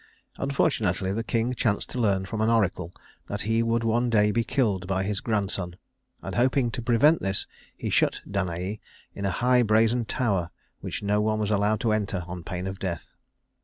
Unfortunately the king chanced to learn from an oracle that he would one day be killed by his grandson; and hoping to prevent this, he shut Danaë in a high brazen tower which no one was allowed to enter on pain of death.